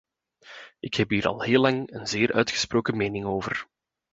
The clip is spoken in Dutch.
Ik heb hier al heel lang een zeer uitgesproken mening over.